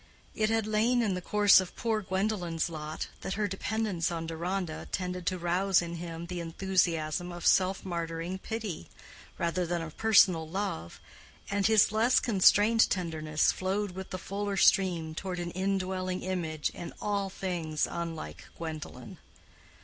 It had lain in the course of poor Gwendolen's lot that her dependence on Deronda tended to rouse in him the enthusiasm of self martyring pity rather than of personal love, and his less constrained tenderness flowed with the fuller stream toward an indwelling image in all things unlike Gwendolen.